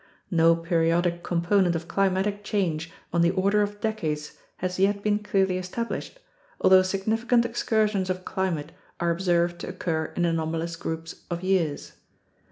No periodic component of climatic change on the order of decades has yet been clearly estab lished, although significant excursions of climate are observed to occur in anomalous groups of years.